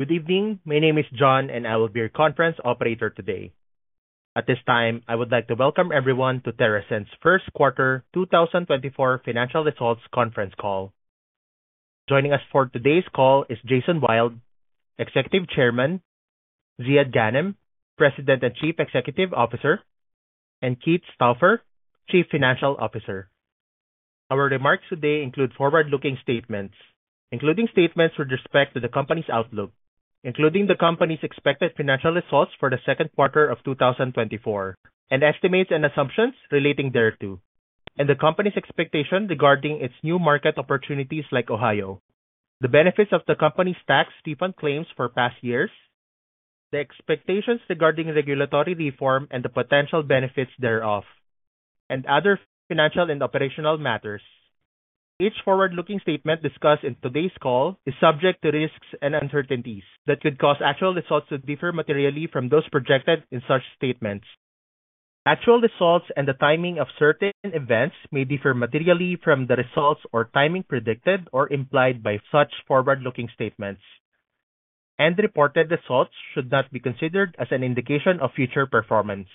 Good evening. My name is John, and I will be your conference operator today. At this time, I would like to welcome everyone to TerrAscend's first quarter 2024 financial results conference call. Joining us for today's call is Jason Wild, Executive Chairman, Ziad Ghanem, President and Chief Executive Officer, and Keith Stauffer, Chief Financial Officer. Our remarks today include forward-looking statements, including statements with respect to the company's outlook, including the company's expected financial results for the second quarter of 2024 and estimates and assumptions relating thereto, and the company's expectations regarding its new market opportunities like Ohio, the benefits of the company's tax refund claims for past years, the expectations regarding regulatory reform and the potential benefits thereof, and other financial and operational matters. Each forward-looking statement discussed in today's call is subject to risks and uncertainties that could cause actual results to differ materially from those projected in such statements. Actual results and the timing of certain events may differ materially from the results or timing predicted or implied by such forward-looking statements, and reported results should not be considered as an indication of future performance.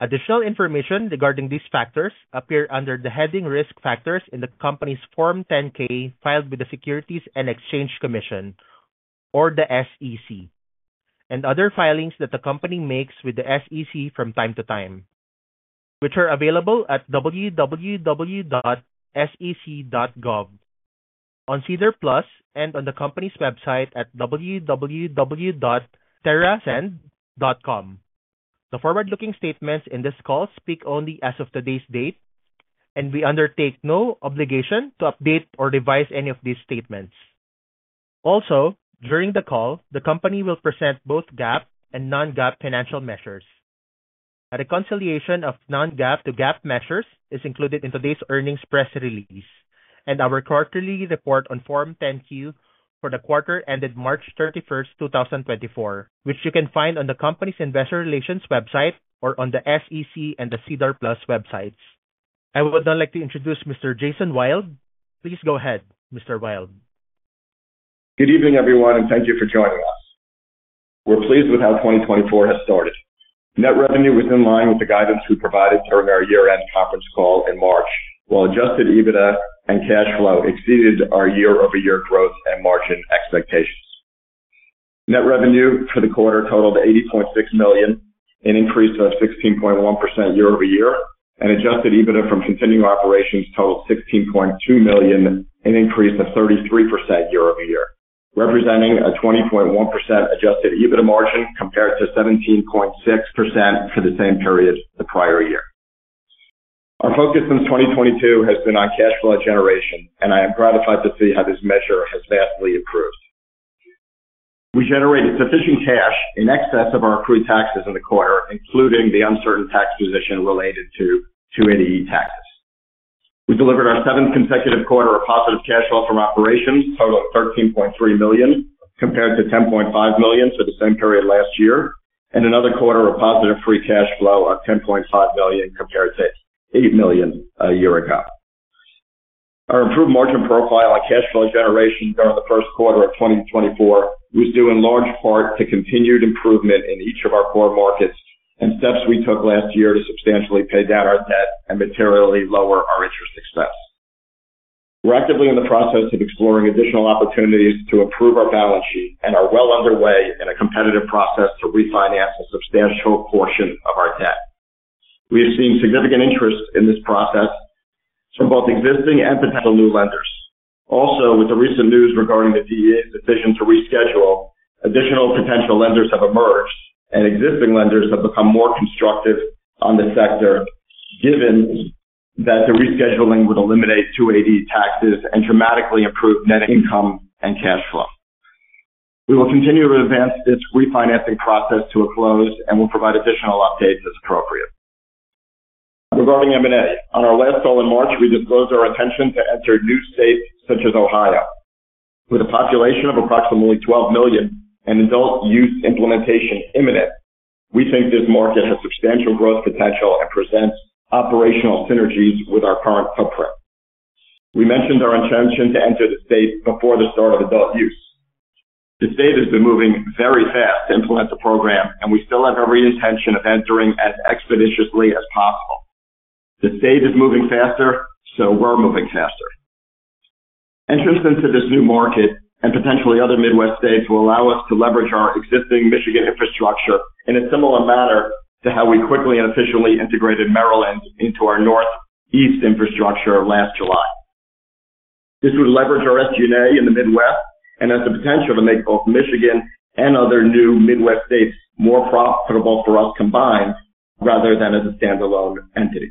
Additional information regarding these factors appear under the heading Risk Factors in the company's Form 10-K filed with the Securities and Exchange Commission, or the SEC, and other filings that the company makes with the SEC from time to time, which are available at www.sec.gov, on SEDAR+, and on the company's website at www.terrascend.com. The forward-looking statements in this call speak only as of today's date, and we undertake no obligation to update or revise any of these statements. Also, during the call, the company will present both GAAP and non-GAAP financial measures. A reconciliation of non-GAAP to GAAP measures is included in today's earnings press release and our quarterly report on Form 10-Q for the quarter ended March 31, 2024, which you can find on the company's investor relations website or on the SEC and the SEDAR+ websites. I would now like to introduce Mr. Jason Wild. Please go ahead, Mr. Wild. Good evening, everyone, and thank you for joining us. We're pleased with how 2024 has started. Net revenue was in line with the guidance we provided during our year-end conference call in March, while Adjusted EBITDA and cash flow exceeded our year-over-year growth and margin expectations. Net revenue for the quarter totaled $80.6 million, an increase of 16.1% year over year, and Adjusted EBITDA from continuing operations totaled $16.2 million, an increase of 33% year over year, representing a 20.1% Adjusted EBITDA margin compared to 17.6% for the same period the prior year. Our focus since 2022 has been on cash flow generation, and I am gratified to see how this measure has vastly improved. We generated sufficient cash in excess of our accrued taxes in the quarter, including the uncertain tax position related to 280E taxes. We delivered our seventh consecutive quarter of positive cash flow from operations, total of $13.3 million, compared to $10.5 million for the same period last year, and another quarter of positive free cash flow of $10.5 million, compared to $8 million a year ago. Our improved margin profile on cash flow generation during the first quarter of 2024 was due in large part to continued improvement in each of our core markets and steps we took last year to substantially pay down our debt and materially lower our interest expense. We're actively in the process of exploring additional opportunities to improve our balance sheet and are well underway in a competitive process to refinance a substantial portion of our debt. We have seen significant interest in this process from both existing and potential new lenders. Also, with the recent news regarding the DEA's decision to reschedule, additional potential lenders have emerged and existing lenders have become more constructive on the sector, given that the rescheduling would eliminate 280E taxes and dramatically improve net income and cash flow. We will continue to advance this refinancing process to a close and will provide additional updates as appropriate. Regarding M&A, on our last call in March, we disclosed our intention to enter new states such as Ohio, with a population of approximately 12 million and adult use implementation imminent. We think this market has substantial growth potential and presents operational synergies with our current footprint. We mentioned our intention to enter the state before the start of adult use. The state has been moving very fast to implement the program, and we still have every intention of entering as expeditiously as possible. The state is moving faster, so we're moving faster. Entrance into this new market and potentially other Midwest states will allow us to leverage our existing Michigan infrastructure in a similar manner to how we quickly and efficiently integrated Maryland into our Northeast infrastructure last July. This would leverage our SG&A in the Midwest and has the potential to make both Michigan and other new Midwest states more profitable for us combined rather than as a standalone entity.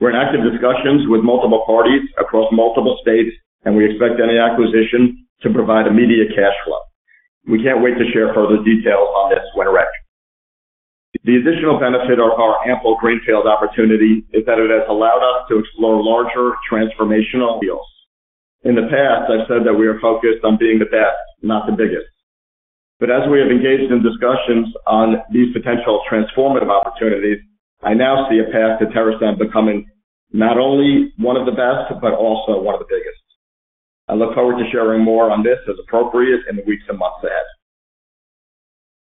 We're in active discussions with multiple parties across multiple states, and we expect any acquisition to provide immediate cash flow. We can't wait to share further details on this when ready. The additional benefit of our ample retail opportunity is that it has allowed us to explore larger transformational deals. In the past, I've said that we are focused on being the best, not the biggest. But as we have engaged in discussions on these potential transformative opportunities, I now see a path to TerrAscend becoming not only one of the best, but also one of the biggest. I look forward to sharing more on this as appropriate in the weeks and months ahead.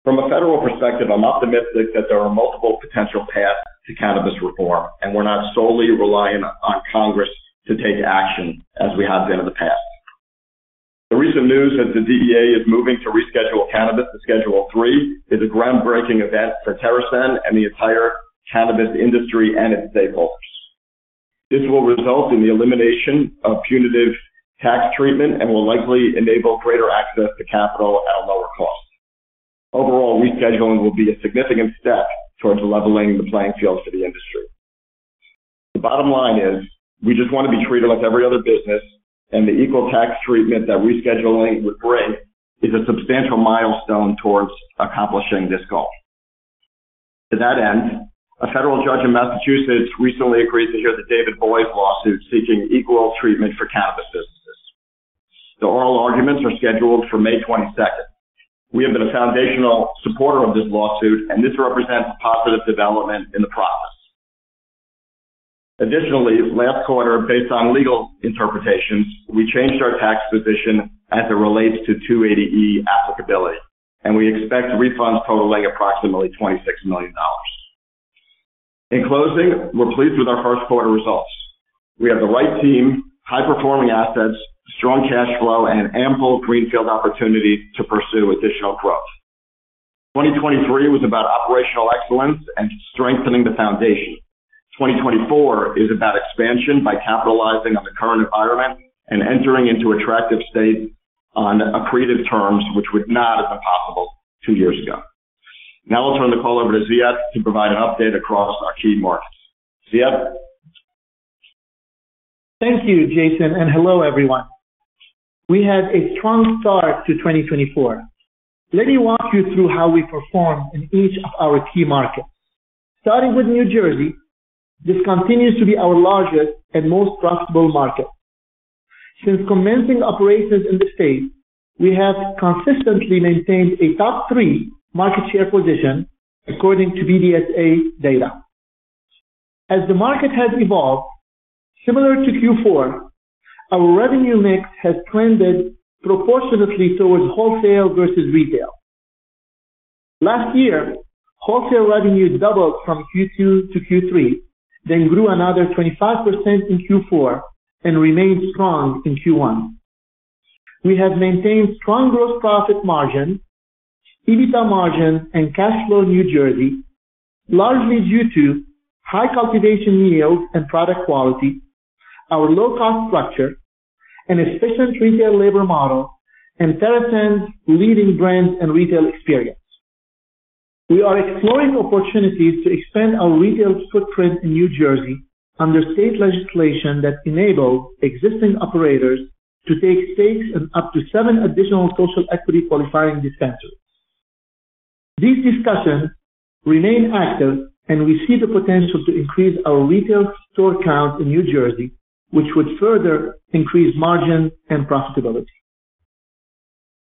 From a federal perspective, I'm optimistic that there are multiple potential paths to cannabis reform, and we're not solely reliant on Congress to take action as we have been in the past. The recent news that the DEA is moving to reschedule cannabis to Schedule III is a groundbreaking event for TerrAscend and the entire cannabis industry and its stakeholders. This will result in the elimination of punitive tax treatment and will likely enable greater access to capital at a lower cost. Overall, rescheduling will be a significant step towards leveling the playing field for the industry. The bottom line is, we just want to be treated like every other business, and the equal tax treatment that rescheduling would bring is a substantial milestone towards accomplishing this goal. To that end, a federal judge in Massachusetts recently agreed to hear the David Boies lawsuit seeking equal treatment for cannabis businesses. The oral arguments are scheduled for May 22. We have been a foundational supporter of this lawsuit, and this represents a positive development in the process. Additionally, last quarter, based on legal interpretations, we changed our tax position as it relates to 280E applicability, and we expect refunds totaling approximately $26 million. In closing, we're pleased with our first quarter results. We have the right team, high-performing assets, strong cash flow, and ample greenfield opportunity to pursue additional growth. 2023 was about operational excellence and strengthening the foundation. 2024 is about expansion by capitalizing on the current environment and entering into attractive states on accretive terms, which would not have been possible two years ago. Now I'll turn the call over to Ziad to provide an update across our key markets. Ziad? Thank you, Jason, and hello, everyone. We had a strong start to 2024. Let me walk you through how we performed in each of our key markets. Starting with New Jersey, this continues to be our largest and most profitable market. Since commencing operations in the state, we have consistently maintained a top three market share position, according to BDSA data. As the market has evolved, similar to Q4, our revenue mix has trended proportionately towards wholesale versus retail. Last year, wholesale revenue doubled from Q2 to Q3, then grew another 25% in Q4 and remained strong in Q1. We have maintained strong gross profit margin, EBITDA margin, and cash flow in New Jersey, largely due to high cultivation yields and product quality, our low-cost structure, an efficient retail labor model, and TerrAscend's leading brand and retail experience. We are exploring opportunities to expand our retail footprint in New Jersey under state legislation that enable existing operators to take stakes in up to seven additional social equity qualifying dispensaries. These discussions remain active, and we see the potential to increase our retail store count in New Jersey, which would further increase margin and profitability.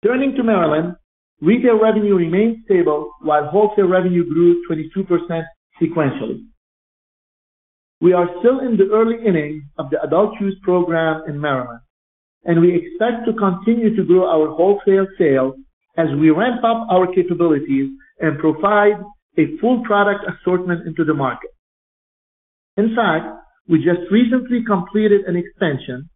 Turning to Maryland, retail revenue remained stable while wholesale revenue grew 22% sequentially. We are still in the early innings of the adult use program in Maryland, and we expect to continue to grow our wholesale sales as we ramp up our capabilities and provide a full product assortment into the market. In fact, we just recently completed an expansion,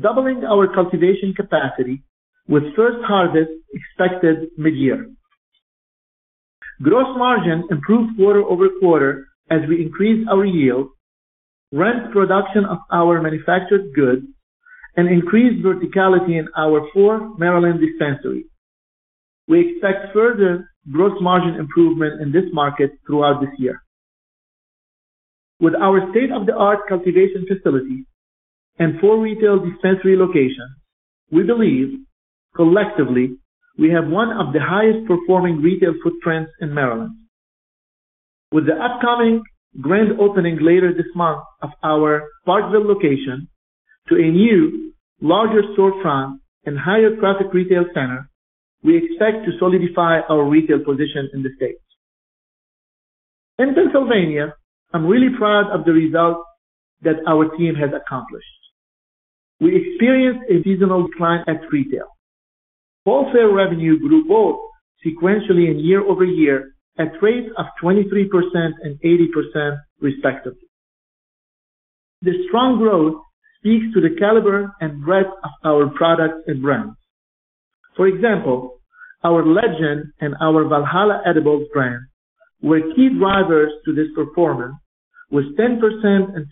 doubling our cultivation capacity with first harvest expected mid-year. Gross margin improved quarter-over-quarter as we increased our yield, ramped production of our manufactured goods, and increased verticality in our four Maryland dispensaries. We expect further gross margin improvement in this market throughout this year. With our state-of-the-art cultivation facility and four retail dispensary locations, we believe, collectively, we have one of the highest performing retail footprints in Maryland. With the upcoming grand opening later this month of our Parkville location to a new, larger storefront and higher traffic retail center, we expect to solidify our retail position in the state. In Pennsylvania, I'm really proud of the results that our team has accomplished. We experienced a seasonal decline at retail. Wholesale revenue grew both sequentially and year-over-year at rates of 23% and 80%, respectively. The strong growth speaks to the caliber and breadth of our products and brands. For example, our Legend and our Valhalla edibles brand were key drivers to this performance, with 10% and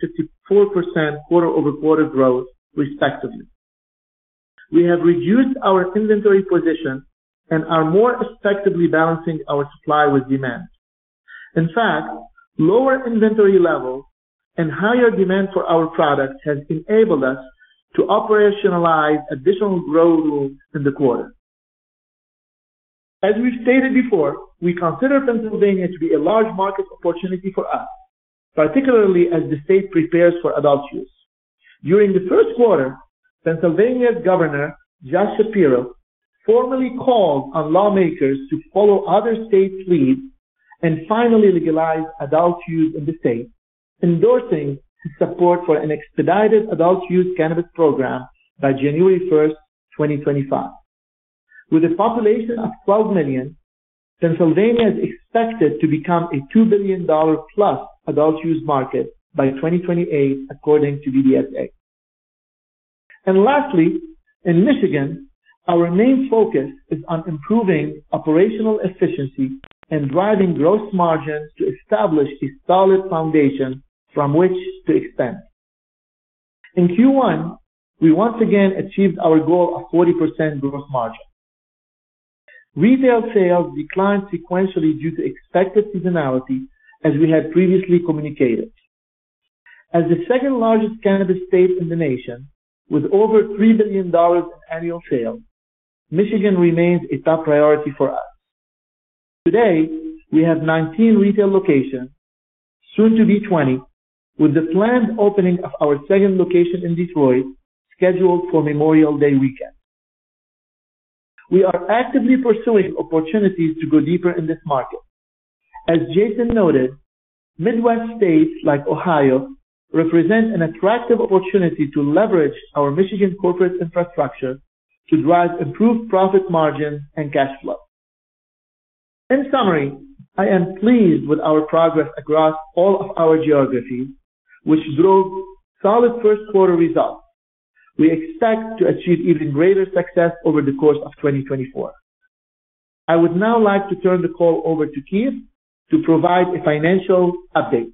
54% quarter-over-quarter growth, respectively. We have reduced our inventory position and are more effectively balancing our supply with demand. In fact, lower inventory levels and higher demand for our products has enabled us to operationalize additional grow rooms in the quarter. As we've stated before, we consider Pennsylvania to be a large market opportunity for us, particularly as the state prepares for adult use....During the first quarter, Pennsylvania's Governor, Josh Shapiro, formally called on lawmakers to follow other states' leads and finally legalize adult use in the state, endorsing his support for an expedited adult-use cannabis program by January first, 2025. With a population of 12 million, Pennsylvania is expected to become a $2 billion+ adult-use market by 2028, according to BDSA. Lastly, in Michigan, our main focus is on improving operational efficiency and driving gross margins to establish a solid foundation from which to expand. In Q1, we once again achieved our goal of 40% gross margin. Retail sales declined sequentially due to expected seasonality, as we had previously communicated. As the second-largest cannabis state in the nation, with over $3 billion in annual sales, Michigan remains a top priority for us. Today, we have 19 retail locations, soon to be 20, with the planned opening of our second location in Detroit, scheduled for Memorial Day weekend. We are actively pursuing opportunities to go deeper in this market. As Jason noted, Midwest states like Ohio represent an attractive opportunity to leverage our Michigan corporate infrastructure to drive improved profit margins and cash flow. In summary, I am pleased with our progress across all of our geographies, which drove solid first quarter results. We expect to achieve even greater success over the course of 2024. I would now like to turn the call over to Keith to provide a financial update.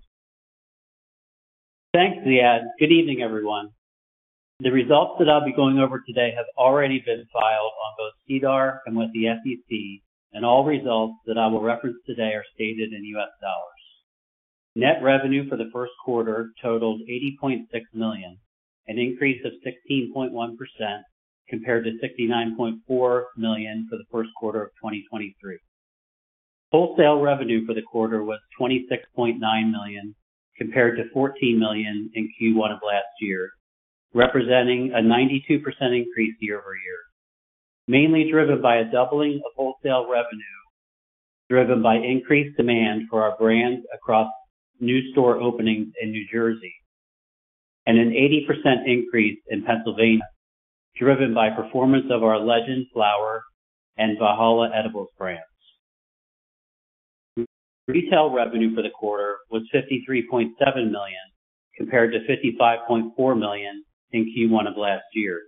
Thanks, Ziad. Good evening, everyone. The results that I'll be going over today have already been filed on both SEDAR and with the SEC, and all results that I will reference today are stated in US dollars. Net revenue for the first quarter totaled $80.6 million, an increase of 16.1% compared to $69.4 million for the first quarter of 2023. Wholesale revenue for the quarter was $26.9 million, compared to $14 million in Q1 of last year, representing a 92% increase year over year, mainly driven by a doubling of wholesale revenue, driven by increased demand for our brands across new store openings in New Jersey, and an 80% increase in Pennsylvania, driven by performance of our Legend Flower and Valhalla Edibles brands. Retail revenue for the quarter was $53.7 million, compared to $55.4 million in Q1 of last year,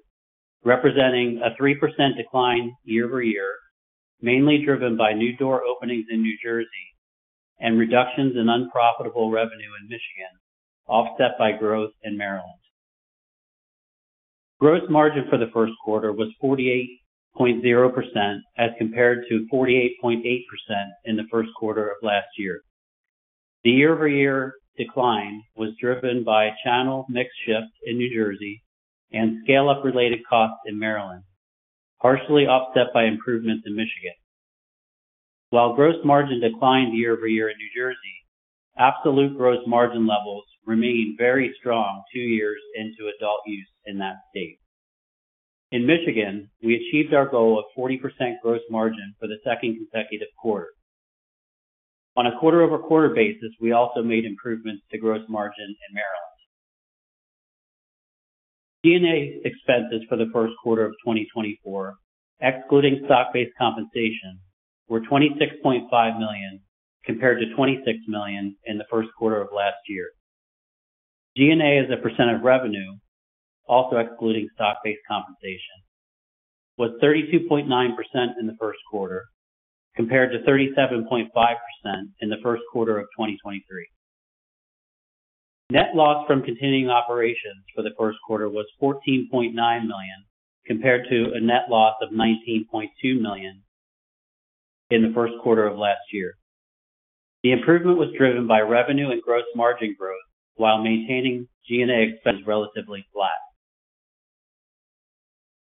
representing a 3% decline year-over-year, mainly driven by new door openings in New Jersey and reductions in unprofitable revenue in Michigan, offset by growth in Maryland. Gross margin for the first quarter was 48.0%, as compared to 48.8% in the first quarter of last year. The year-over-year decline was driven by channel mix shift in New Jersey and scale-up related costs in Maryland, partially offset by improvements in Michigan. While gross margin declined year-over-year in New Jersey, absolute gross margin levels remained very strong two years into adult use in that state. In Michigan, we achieved our goal of 40% gross margin for the second consecutive quarter. On a quarter-over-quarter basis, we also made improvements to gross margin in Maryland. G&A expenses for the first quarter of 2024, excluding stock-based compensation, were $26.5 million, compared to $26 million in the first quarter of last year. G&A, as a percent of revenue, also excluding stock-based compensation, was 32.9% in the first quarter, compared to 37.5% in the first quarter of 2023. Net loss from continuing operations for the first quarter was $14.9 million, compared to a net loss of $19.2 million in the first quarter of last year. The improvement was driven by revenue and gross margin growth while maintaining G&A expenses relatively flat.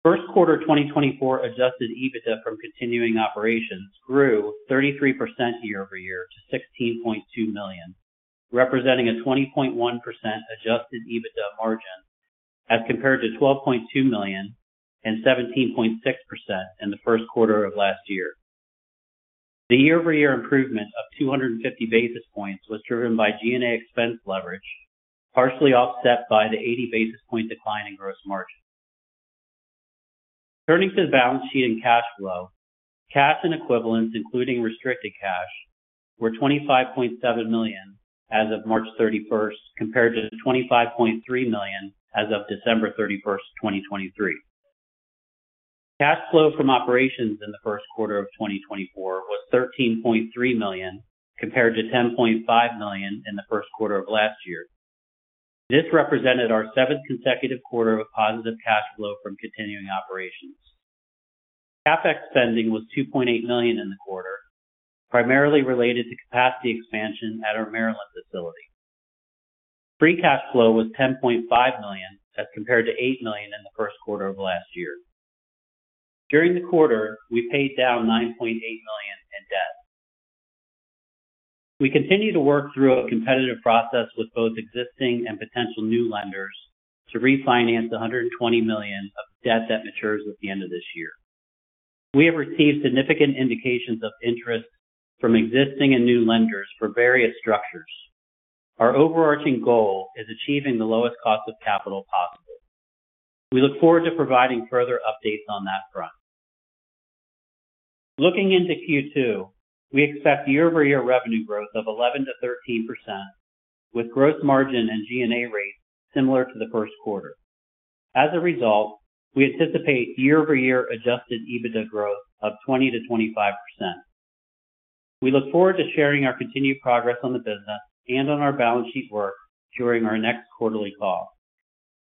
First quarter 2024 adjusted EBITDA from continuing operations grew 33% year-over-year to $16.2 million, representing a 20.1% adjusted EBITDA margin, as compared to $12.2 million and 17.6% in the first quarter of last year. The year-over-year improvement of 250 basis points was driven by G&A expense leverage, partially offset by the 80 basis point decline in gross margin. Turning to the balance sheet and cash flow, cash and equivalents, including restricted cash, were $25.7 million as of March 31, compared to $25.3 million as of December 31, 2023. Cash flow from operations in the first quarter of 2024 was $13.3 million, compared to $10.5 million in the first quarter of last year. This represented our seventh consecutive quarter of positive cash flow from continuing operations. CapEx spending was $2.8 million in the quarter, primarily related to capacity expansion at our Maryland facility. Free cash flow was $10.5 million, as compared to $8 million in the first quarter of last year. During the quarter, we paid down $9.8 million. We continue to work through a competitive process with both existing and potential new lenders, to refinance $120 million of debt that matures at the end of this year. We have received significant indications of interest from existing and new lenders for various structures. Our overarching goal is achieving the lowest cost of capital possible. We look forward to providing further updates on that front. Looking into Q2, we expect year-over-year revenue growth of 11%-13%, with gross margin and G&A rates similar to the first quarter. As a result, we anticipate year-over-year adjusted EBITDA growth of 20%-25%. We look forward to sharing our continued progress on the business and on our balance sheet work during our next quarterly call.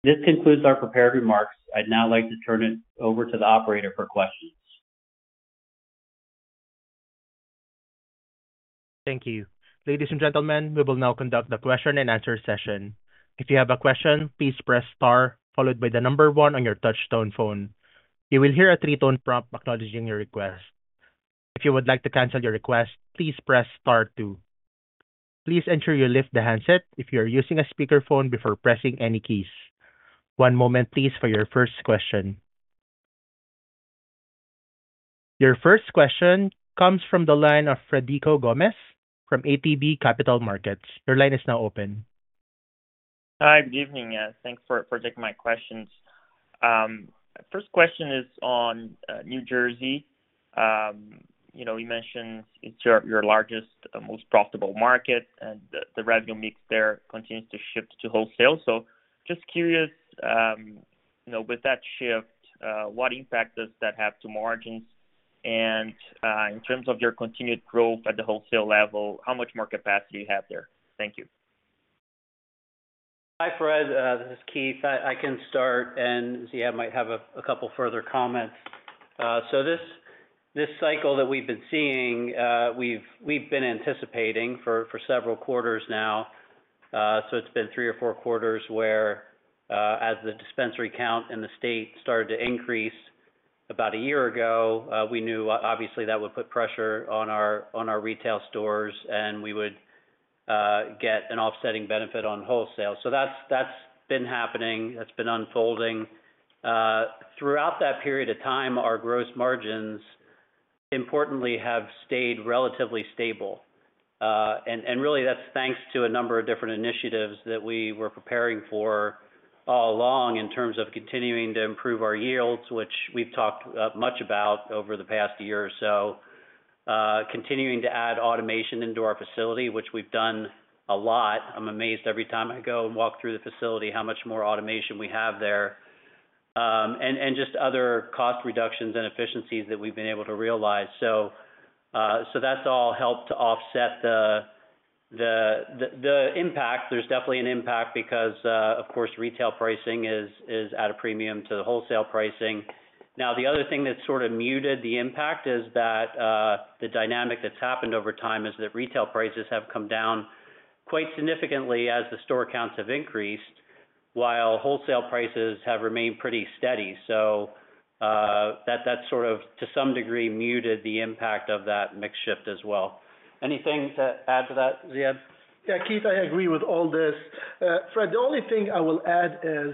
This concludes our prepared remarks. I'd now like to turn it over to the operator for questions. Thank you. Ladies and gentlemen, we will now conduct the question and answer session. If you have a question, please press Star, followed by the number one on your touchtone phone. You will hear a three-tone prompt acknowledging your request. If you would like to cancel your request, please press Star two. Please ensure you lift the handset if you are using a speakerphone before pressing any keys. One moment please, for your first question. Your first question comes from the line of Frederico Gomes from ATB Capital Markets. Your line is now open. Hi, good evening, thanks for taking my questions. First question is on New Jersey. You know, you mentioned it's your largest, most profitable market, and the revenue mix there continues to shift to wholesale. So just curious, you know, with that shift, what impact does that have to margins? And, in terms of your continued growth at the wholesale level, how much more capacity you have there? Thank you. Hi, Fred. This is Keith. I can start, and Ziad might have a couple further comments. So this cycle that we've been seeing, we've been anticipating for several quarters now. So it's been three or four quarters where, as the dispensary count in the state started to increase about a year ago, we knew obviously that would put pressure on our retail stores, and we would get an offsetting benefit on wholesale. So that's been happening, that's been unfolding. Throughout that period of time, our gross margins importantly have stayed relatively stable. And really, that's thanks to a number of different initiatives that we were preparing for all along in terms of continuing to improve our yields, which we've talked much about over the past year or so. Continuing to add automation into our facility, which we've done a lot. I'm amazed every time I go and walk through the facility, how much more automation we have there. And just other cost reductions and efficiencies that we've been able to realize. So, so that's all helped to offset the impact. There's definitely an impact because, of course, retail pricing is at a premium to the wholesale pricing. Now, the other thing that sort of muted the impact is that the dynamic that's happened over time is that retail prices have come down quite significantly as the store counts have increased, while wholesale prices have remained pretty steady. So, that sort of, to some degree, muted the impact of that mix shift as well. Anything to add to that, Ziad? Yeah, Keith, I agree with all this. Fred, the only thing I will add is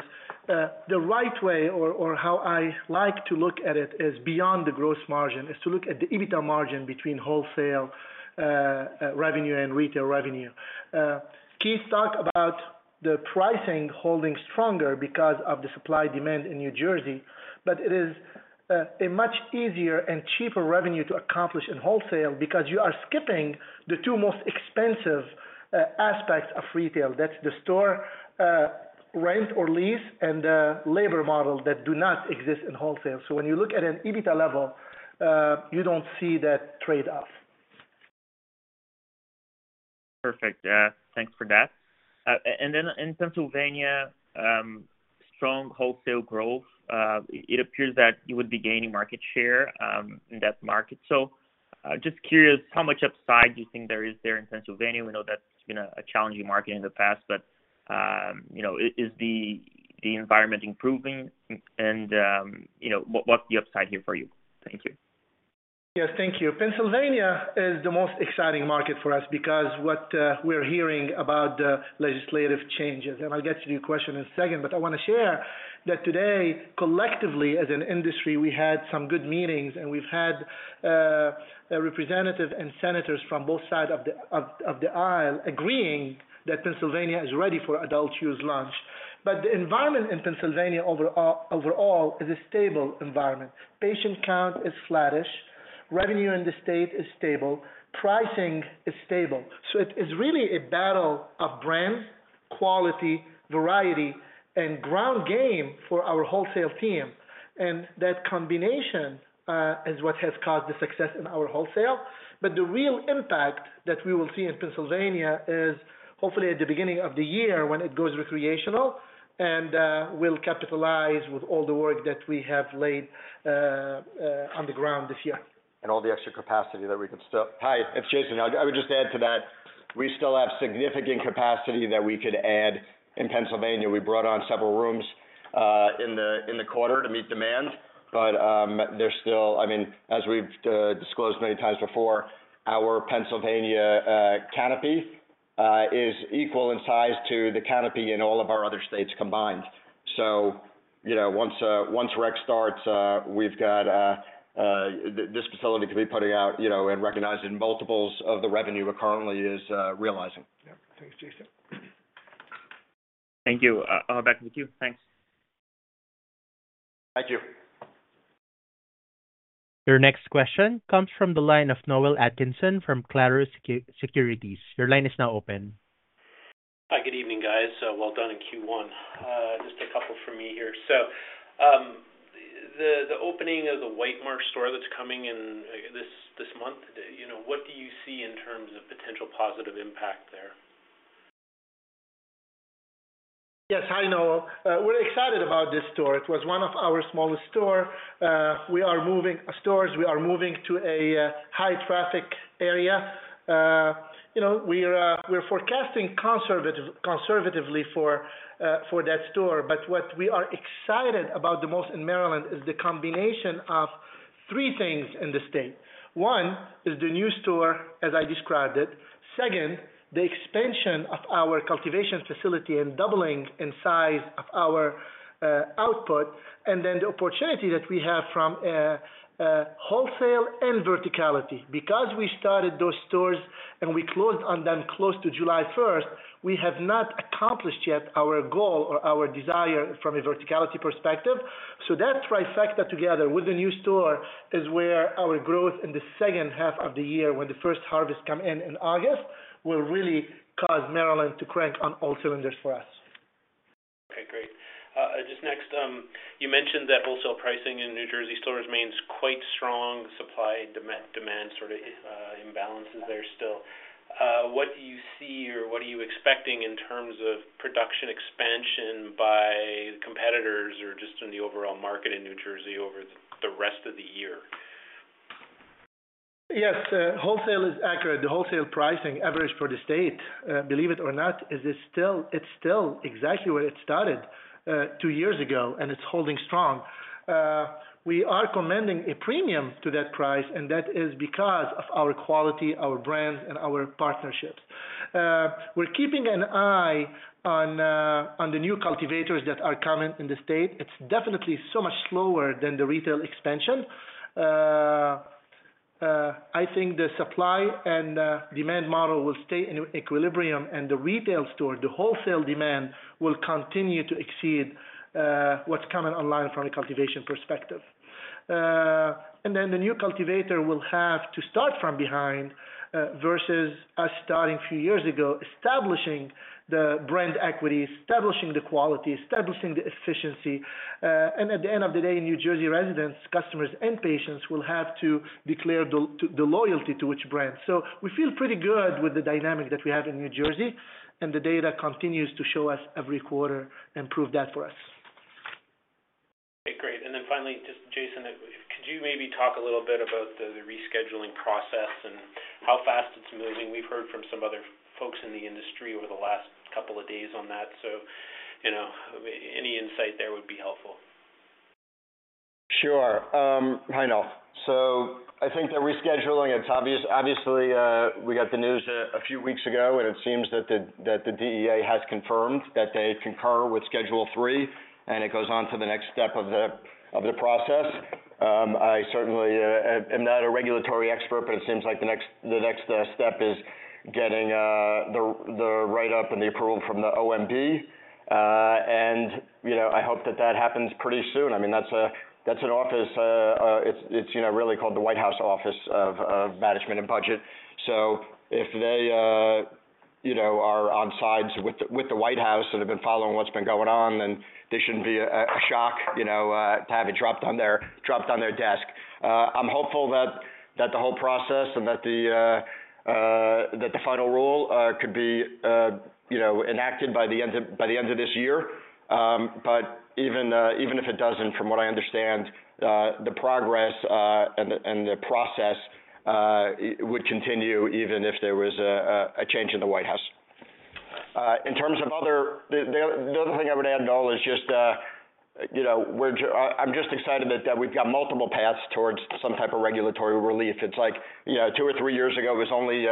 the right way or how I like to look at it is beyond the gross margin, is to look at the EBITDA margin between wholesale revenue and retail revenue. Keith talked about the pricing holding stronger because of the supply-demand in New Jersey, but it is a much easier and cheaper revenue to accomplish in wholesale because you are skipping the two most expensive aspects of retail. That's the store rent or lease, and the labor model that do not exist in wholesale. So when you look at an EBITDA level, you don't see that trade-off. Perfect. Thanks for that. And then in Pennsylvania, strong wholesale growth, it appears that you would be gaining market share, in that market. So, just curious, how much upside do you think there is there in Pennsylvania? We know that's been a challenging market in the past, but, you know, is the environment improving? And, you know, what's the upside here for you? Thank you. Yes, thank you. Pennsylvania is the most exciting market for us because what, we're hearing about the legislative changes, and I'll get to your question in a second. But I want to share that today, collectively, as an industry, we had some good meetings, and we've had a representative and senators from both sides of the aisle agreeing that Pennsylvania is ready for adult use launch. But the environment in Pennsylvania overall is a stable environment. Patient count is flattish, revenue in the state is stable, pricing is stable. So it is really a battle of brands, quality, variety, and ground game for our wholesale team, and that combination is what has caused the success in our wholesale. But the real impact that we will see in Pennsylvania is hopefully at the beginning of the year, when it goes recreational, and we'll capitalize with all the work that we have laid on the ground this year. And all the extra capacity that we can still... Hi, it's Jason. I, I would just add to that. We still have significant capacity that we could add in Pennsylvania. We brought on several rooms-... in the quarter to meet demand. But, there's still—I mean, as we've disclosed many times before, our Pennsylvania canopy is equal in size to the canopy in all of our other states combined. So, you know, once rec starts, we've got this facility could be putting out, you know, and recognizing multiples of the revenue it currently is realizing. Yep. Thanks, Jason. Thank you. Back to the queue. Thanks. Thank you. Your next question comes from the line of Noel Atkinson from Clarus Securities. Your line is now open. Hi, good evening, guys. Well done in Q1. Just a couple from me here. So, the opening of the White Marsh store that's coming in this month, you know, what do you see in terms of potential positive impact there? Yes, hi, Noel. We're excited about this store. It was one of our smallest store. We are moving stores. We are moving to a high traffic area. You know, we're forecasting conservatively for that store, but what we are excited about the most in Maryland is the combination of three things in the state. One, is the new store, as I described it. Second, the expansion of our cultivation facility and doubling in size of our output, and then the opportunity that we have from a wholesale and verticality. Because we started those stores, and we closed on them close to July 1st, we have not accomplished yet our goal or our desire from a verticality perspective. So that trifecta together with the new store, is where our growth in the second half of the year, when the first harvest come in, in August, will really cause Maryland to crank on all cylinders for us. Okay, great. Just next, you mentioned that wholesale pricing in New Jersey stores remains quite strong. Supply and demand sort of imbalances there still. What do you see, or what are you expecting in terms of production expansion by competitors, or just in the overall market in New Jersey over the rest of the year? Yes, wholesale is accurate. The wholesale pricing average for the state, believe it or not, is still. It's still exactly where it started, two years ago, and it's holding strong. We are commanding a premium to that price, and that is because of our quality, our brands, and our partnerships. We're keeping an eye on, on the new cultivators that are coming in the state. It's definitely so much slower than the retail expansion. I think the supply and, demand model will stay in equilibrium, and the retail store, the wholesale demand, will continue to exceed, what's coming online from a cultivation perspective. And then the new cultivator will have to start from behind, versus us starting a few years ago, establishing the brand equity, establishing the quality, establishing the efficiency. At the end of the day, New Jersey residents, customers, and patients will have to declare the loyalty to which brand. So we feel pretty good with the dynamic that we have in New Jersey, and the data continues to show us every quarter and prove that for us. Okay, great. And then finally, just Jason, could you maybe talk a little bit about the rescheduling process and how fast it's moving? We've heard from some other folks in the industry over the last couple of days on that, so, you know, any insight there would be helpful. Sure. Hi, Noel. So I think the rescheduling, it's obviously we got the news a few weeks ago, and it seems that the DEA has confirmed that they concur with Schedule III, and it goes on to the next step of the process. I certainly am not a regulatory expert, but it seems like the next step is getting the write-up and the approval from the OMB. And, you know, I hope that that happens pretty soon. I mean, that's an office. It's, you know, really called the White House Office of Management and Budget. So if they, you know, are on sides with the White House and have been following what's been going on, then they shouldn't be a shock, you know, to have it dropped on their desk. I'm hopeful that the whole process and that the final rule could be, you know, enacted by the end of this year. But even if it doesn't, from what I understand, the progress and the process would continue even if there was a change in the White House. In terms of other... The other thing I would add, Noel, is just, you know, I'm just excited that we've got multiple paths towards some type of regulatory relief. It's like, you know, two or three years ago, it was only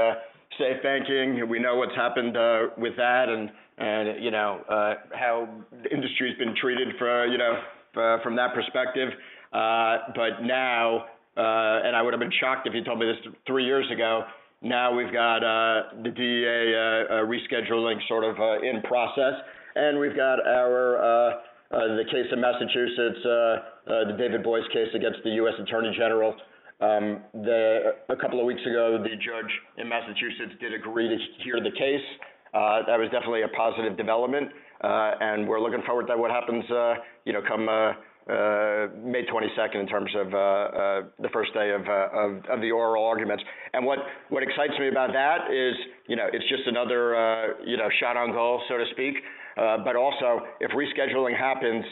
SAFE Banking. We know what's happened with that and, and, you know, how the industry's been treated for, you know, from that perspective. But now, and I would have been shocked if you told me this three years ago, now we've got the DEA rescheduling sort of in process, and we've got our the case in Massachusetts, the David Boies case against the US Attorney General. The, a couple of weeks ago, the judge in Massachusetts did agree to hear the case. That was definitely a positive development, and we're looking forward to what happens, you know, come May twenty-second in terms of the first day of of of the oral arguments. What excites me about that is, you know, it's just another, you know, shot on goal, so to speak. But also, if rescheduling happens,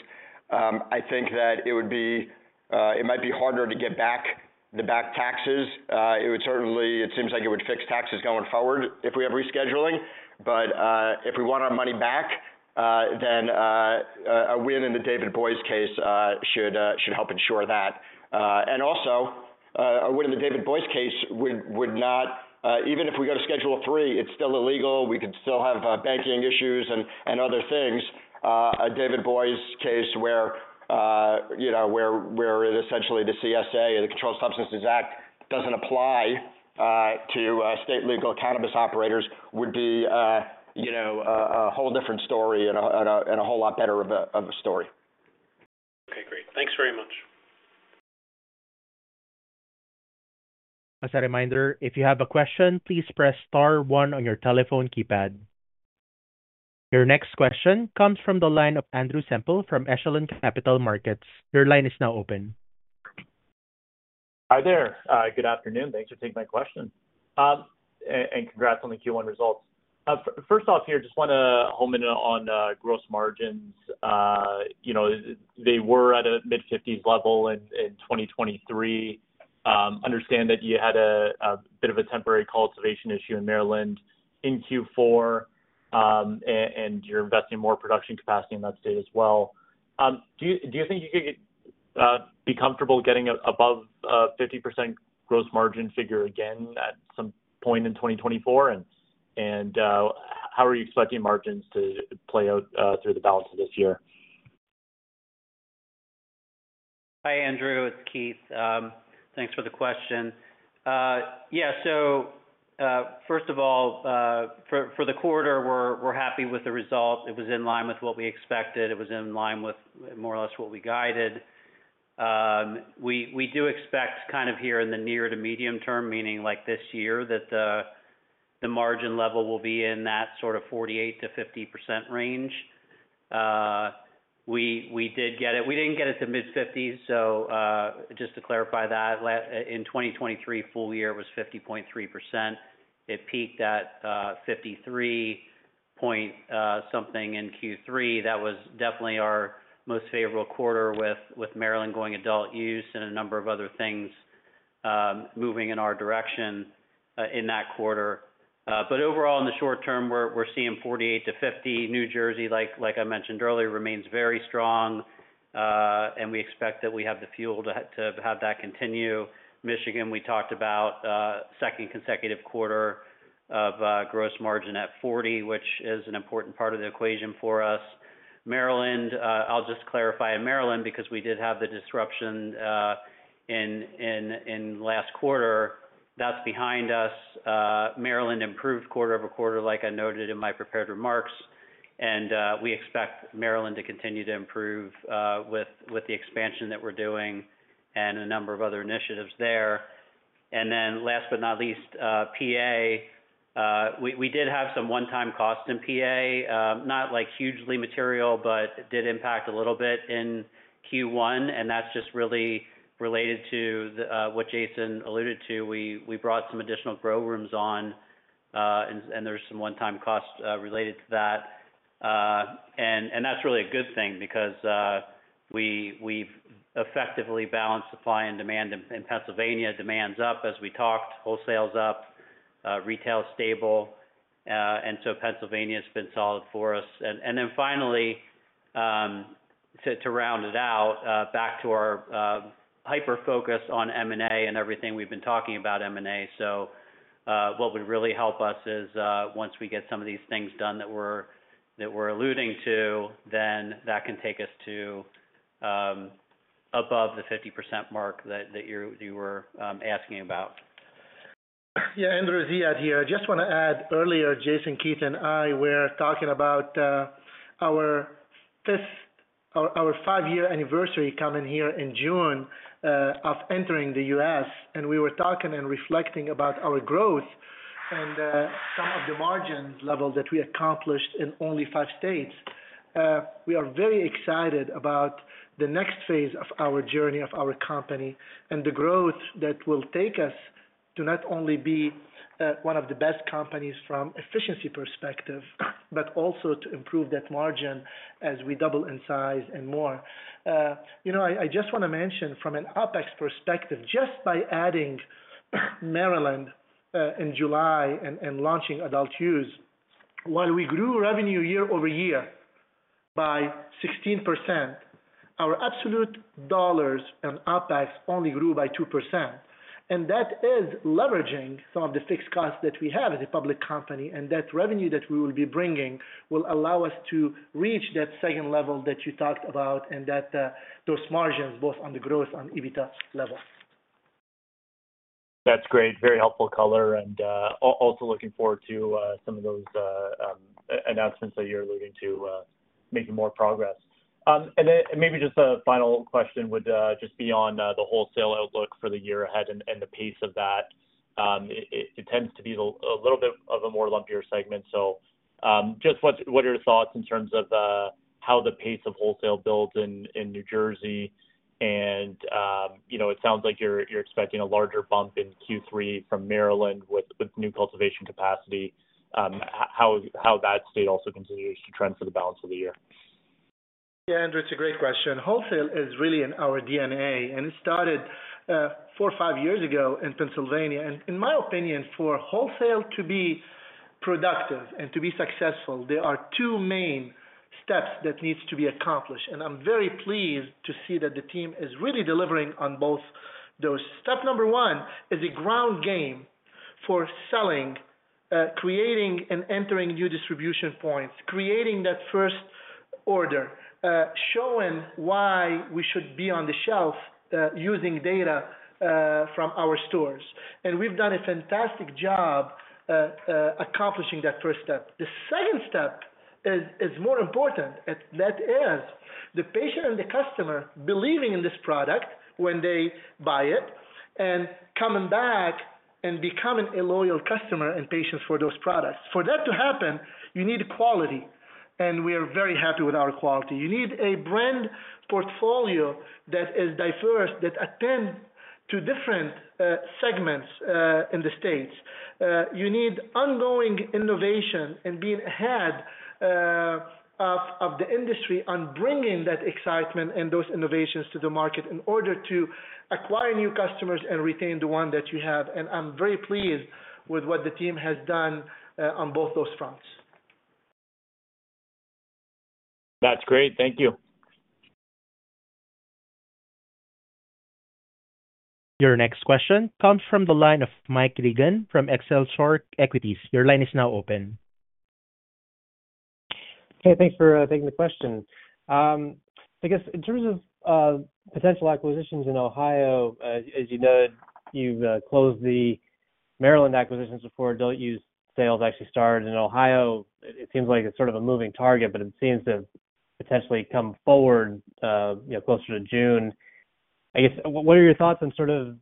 I think that it would be, it might be harder to get back the back taxes. It would certainly. It seems like it would fix taxes going forward if we have rescheduling, but, if we want our money back, then, a win in the David Boies case, should help ensure that. And also-... a win in the David Boies case would not, even if we go to Schedule III, it's still illegal. We could still have banking issues and other things. A David Boies case where, you know, where essentially the CSA, the Controlled Substances Act, doesn't apply to state legal cannabis operators would be, you know, a whole different story and a whole lot better of a story. Okay, great. Thanks very much. As a reminder, if you have a question, please press * one on your telephone keypad. Your next question comes from the line of Andrew Semple from Echelon Capital Markets. Your line is now open. Hi there. Good afternoon. Thanks for taking my question. And congrats on the Q1 results. First off here, just wanna home in on gross margins. You know, they were at a mid-50s level in 2023. Understand that you had a bit of a temporary cultivation issue in Maryland in Q4, and you're investing more production capacity in that state as well. Do you think you could be comfortable getting above a 50% gross margin figure again at some point in 2024? And how are you expecting margins to play out through the balance of this year? Hi, Andrew, it's Keith. Thanks for the question. Yeah, so, first of all, for the quarter, we're happy with the result. It was in line with what we expected. It was in line with more or less what we guided. We do expect kind of here in the near to medium term, meaning like this year, that the margin level will be in that sort of 48%-50% range. We did get it. We didn't get it to mid-fifties, so just to clarify that, in 2023, full year was 50.3%. It peaked at 53 point something in Q3. That was definitely our most favorable quarter with Maryland going adult use and a number of other things moving in our direction in that quarter. But overall, in the short term, we're seeing 48-50. New Jersey, like I mentioned earlier, remains very strong, and we expect that we have the fuel to have that continue. Michigan, we talked about, second consecutive quarter of gross margin at 40, which is an important part of the equation for us. Maryland, I'll just clarify, in Maryland, because we did have the disruption in last quarter, that's behind us. Maryland improved quarter-over-quarter, like I noted in my prepared remarks, and we expect Maryland to continue to improve with the expansion that we're doing and a number of other initiatives there. And then last but not least, PA. We did have some one-time costs in PA, not like hugely material, but it did impact a little bit in Q1, and that's just really related to what Jason alluded to. We brought some additional grow rooms on, and there's some one-time costs related to that. And that's really a good thing because we've effectively balanced supply and demand in Pennsylvania. Demand's up as we talked, wholesale's up, retail's stable, and so Pennsylvania has been solid for us. And then finally, to round it out, back to our hyper-focus on M&A and everything we've been talking about M&A. So, what would really help us is, once we get some of these things done that we're alluding to, then that can take us to above the 50% mark that you were asking about. Yeah, Andrew, Ziad here. Just wanna add, earlier, Jason, Keith, and I were talking about our five-year anniversary coming here in June of entering the US, and we were talking and reflecting about our growth and some of the margin levels that we accomplished in only five states. We are very excited about the next phase of our journey, of our company, and the growth that will take us to not only be one of the best companies from efficiency perspective, but also to improve that margin as we double in size and more. You know, I just wanna mention from an OpEx perspective, just by adding Maryland in July and launching adult use, while we grew revenue year-over-year by 16%, our absolute dollars and OpEx only grew by 2%. And that is leveraging some of the fixed costs that we have as a public company, and that revenue that we will be bringing will allow us to reach that second level that you talked about and that, those margins, both on the growth and EBITDA level. That's great. Very helpful color and also looking forward to some of those announcements that you're alluding to making more progress. And then maybe just a final question would just be on the wholesale outlook for the year ahead and, and the pace of that. It tends to be a little bit of a more lumpier segment. So just what are your thoughts in terms of how the pace of wholesale builds in New Jersey? And you know, it sounds like you're expecting a larger bump in Q3 from Maryland with new cultivation capacity. How that state also continues to trend for the balance of the year? Yeah, Andrew, it's a great question. Wholesale is really in our DNA, and it started four or five years ago in Pennsylvania. In my opinion, for wholesale to be productive and to be successful, there are two main steps that needs to be accomplished, and I'm very pleased to see that the team is really delivering on both those. Step number one is a ground game for selling, creating and entering new distribution points, creating that first order, showing why we should be on the shelf, using data from our stores. And we've done a fantastic job accomplishing that first step. The second step is more important, and that is the patient and the customer believing in this product when they buy it and coming back and becoming a loyal customer and patients for those products. For that to happen, you need quality, and we are very happy with our quality. You need a brand portfolio that is diverse, that attend to different, segments, in the States. You need ongoing innovation and being ahead, of the industry on bringing that excitement and those innovations to the market in order to acquire new customers and retain the one that you have. And I'm very pleased with what the team has done, on both those fronts. That's great. Thank you. Your next question comes from the line of Mike Regan from Excelsior Equities. Your line is now open. Okay, thanks for taking the question. I guess in terms of potential acquisitions in Ohio, as you noted, you've closed the Maryland acquisitions before adult use sales actually started in Ohio. It seems like it's sort of a moving target, but it seems to potentially come forward, you know, closer to June. I guess, what are your thoughts on sort of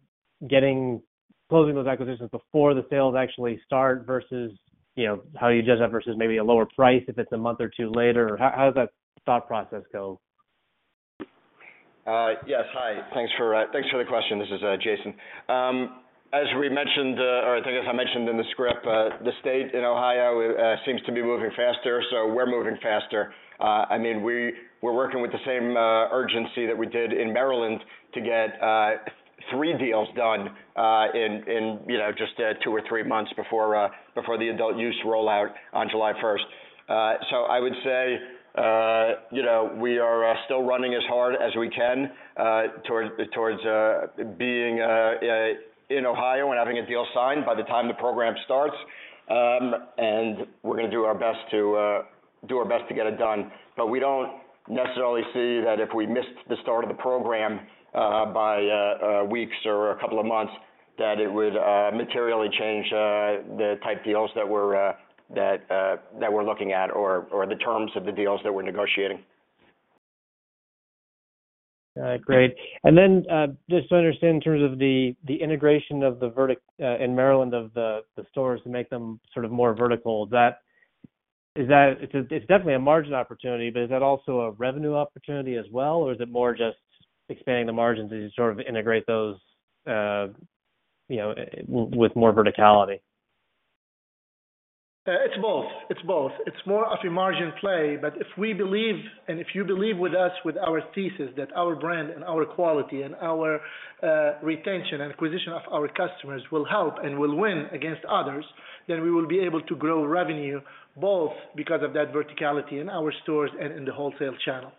getting, closing those acquisitions before the sales actually start versus, you know, how you judge that versus maybe a lower price if it's a month or two later? How does that thought process go? Yes. Hi, thanks for the question. This is Jason. As we mentioned, or I think as I mentioned in the script, the state in Ohio seems to be moving faster, so we're moving faster. I mean, we're working with the same urgency that we did in Maryland to get three deals done, in you know, just two or three months before the adult use rollout on July first. So I would say, you know, we are still running as hard as we can towards being in Ohio and having a deal signed by the time the program starts. And we're gonna do our best to do our best to get it done. But we don't necessarily see that if we missed the start of the program by weeks or a couple of months, that it would materially change the type deals that we're looking at or the terms of the deals that we're negotiating. Great. And then, just to understand in terms of the vertical integration in Maryland of the stores to make them sort of more vertical, is that... It's definitely a margin opportunity, but is that also a revenue opportunity as well, or is it more just expanding the margins as you sort of integrate those, you know, with more verticality? It's both. It's both. It's more of a margin play, but if we believe and if you believe with us, with our thesis, that our brand and our quality and our retention and acquisition of our customers will help and will win against others, then we will be able to grow revenue both because of that verticality in our stores and in the wholesale channel.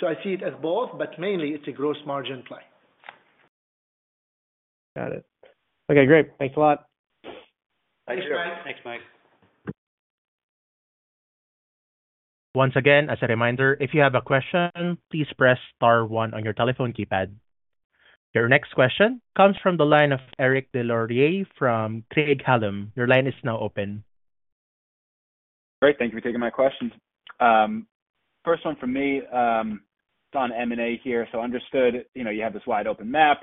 So I see it as both, but mainly it's a gross margin play. Got it. Okay, great. Thanks a lot. Thanks, Mike. Thanks, Mike. Once again, as a reminder, if you have a question, please press * one on your telephone keypad. Your next question comes from the line of Eric Des Lauriers from Craig-Hallum. Your line is now open. Great. Thank you for taking my questions. First one from me, on M&A here. So understood, you know, you have this wide open map.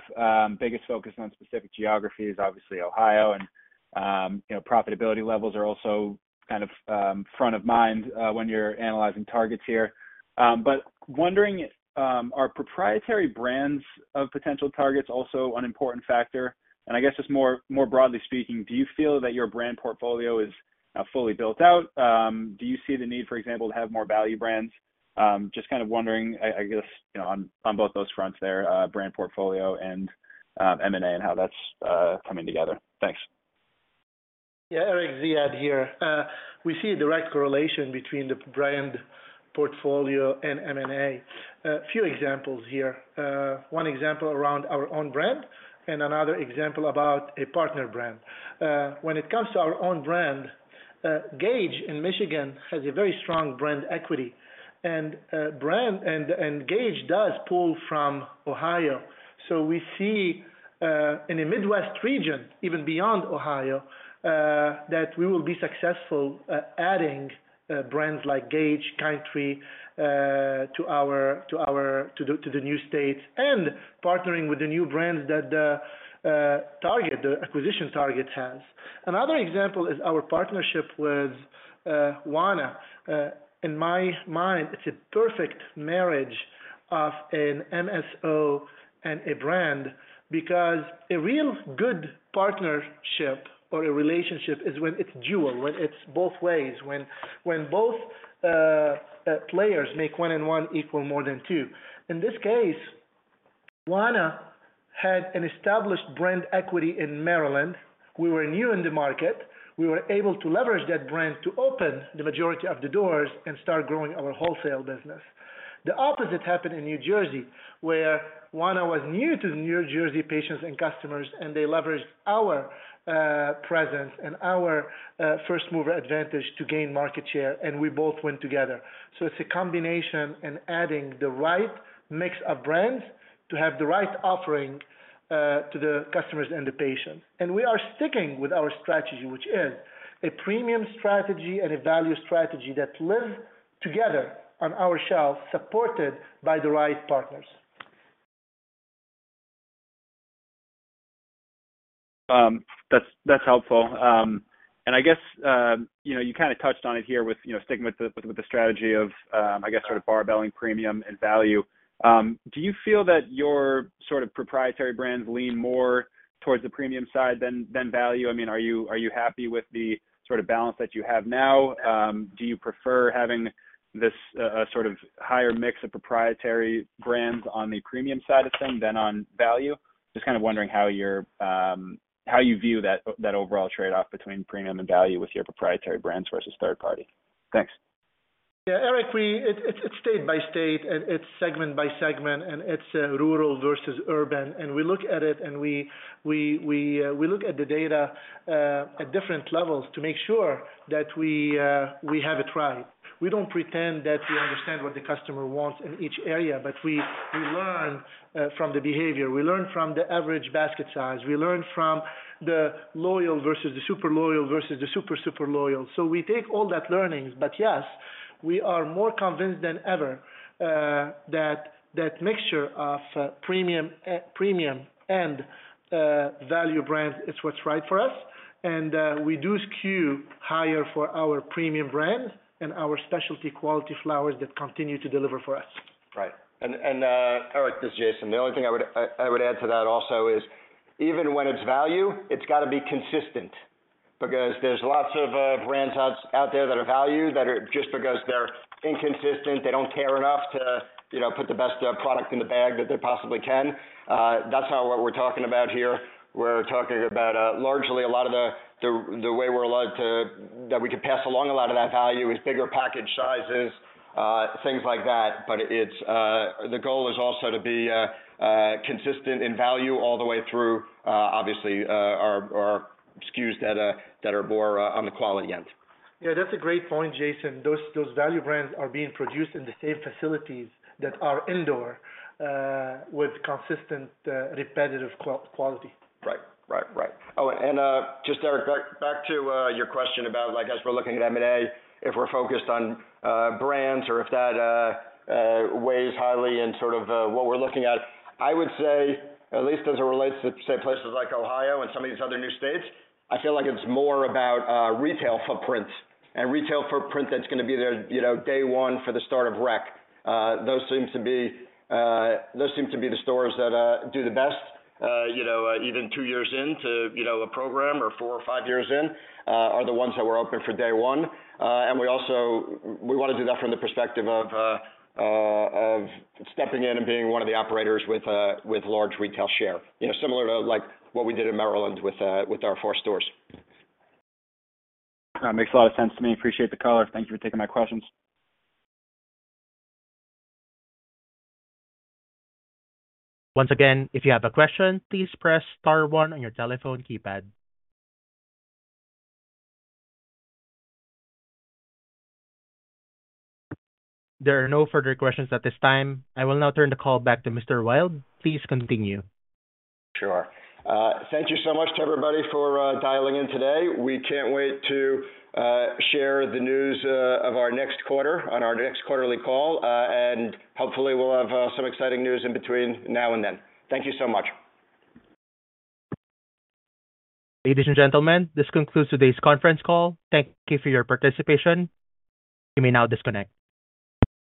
Biggest focus on specific geography is obviously Ohio. And, you know, profitability levels are also kind of, front of mind, when you're analyzing targets here. But wondering, are proprietary brands of potential targets also an important factor? And I guess just more, more broadly speaking, do you feel that your brand portfolio is, fully built out? Do you see the need, for example, to have more value brands? Just kind of wondering, I, I guess, you know, on, on both those fronts there, brand portfolio and, M&A and how that's, coming together. Thanks. Yeah, Eric, Ziad here. We see a direct correlation between the brand portfolio and M&A. A few examples here. One example around our own brand and another example about a partner brand. When it comes to our own brand, Gage in Michigan has a very strong brand equity, and brand and Gage does pull from Ohio. So we see in a Midwest region, even beyond Ohio, that we will be successful adding brands like Gage, Kind Tree to the new state and partnering with the new brands that the acquisition target has. Another example is our partnership with Wana. In my mind, it's a perfect marriage of an MSO and a brand, because a real good partnership or a relationship is when it's dual, when it's both ways, when both players make one and one equal more than two. In this case, Cookies had an established brand equity in Maryland. We were new in the market. We were able to leverage that brand to open the majority of the doors and start growing our wholesale business. The opposite happened in New Jersey, where Cookies was new to the New Jersey patients and customers, and they leveraged our presence and our first mover advantage to gain market share, and we both went together. So it's a combination in adding the right mix of brands to have the right offering to the customers and the patients. We are sticking with our strategy, which is a premium strategy and a value strategy that live together on our shelf, supported by the right partners. That's, that's helpful. And I guess, you know, you kinda touched on it here with, you know, sticking with the, with the strategy of, I guess, sort of barbelling premium and value. Do you feel that your sort of proprietary brands lean more towards the premium side than, than value? I mean, are you, are you happy with the sort of balance that you have now? Do you prefer having this, sort of higher mix of proprietary brands on the premium side of things than on value? Just kind of wondering how you're, how you view that, that overall trade-off between premium and value with your proprietary brands versus third party. Thanks. Yeah, Eric, it's state by state, and it's segment by segment, and it's rural versus urban. And we look at it, and we look at the data at different levels to make sure that we have it right. We don't pretend that we understand what the customer wants in each area, but we learn from the behavior. We learn from the average basket size. We learn from the loyal versus the super loyal versus the super, super loyal. So we take all that learnings. But yes, we are more convinced than ever that mixture of premium premium and value brands is what's right for us. And we do skew higher for our premium brands and our specialty quality flowers that continue to deliver for us. Right. And, and, Eric, this is Jason. The only thing I would, I, I would add to that also is, even when it's value, it's gotta be consistent, because there's lots of, brand types out there that are value, that are just because they're inconsistent, they don't care enough to, you know, put the best, product in the bag that they possibly can. That's not what we're talking about here. We're talking about, largely a lot of the, the, the way we're allowed to... That we can pass along a lot of that value is bigger package sizes, things like that. But it's, the goal is also to be, consistent in value all the way through, obviously, our, our SKUs that, that are more, on the quality end. Yeah, that's a great point, Jason. Those value brands are being produced in the same facilities that are indoor, with consistent, repetitive quality. Right. Right, right. Oh, and, just Eric, back to your question about like, as we're looking at M&A, if we're focused on brands or if that weighs highly in sort of what we're looking at. I would say, at least as it relates to, say, places like Ohio and some of these other new states, I feel like it's more about retail footprint and retail footprint that's gonna be there, you know, day one for the start of rec. Those seem to be the stores that do the best, you know, even two years in to a program or four or five years in, are the ones that were open for day one. And we also, we wanna do that from the perspective of stepping in and being one of the operators with large retail share, you know, similar to like what we did in Maryland with our four stores. That makes a lot of sense to me. Appreciate the call. Thank you for taking my questions. Once again, if you have a question, please press * one on your telephone keypad. There are no further questions at this time. I will now turn the call back to Mr. Wild. Please continue. Sure. Thank you so much to everybody for dialing in today. We can't wait to share the news of our next quarter on our next quarterly call. And hopefully, we'll have some exciting news in between now and then. Thank you so much. Ladies and gentlemen, this concludes today's conference call. Thank you for your participation. You may now disconnect.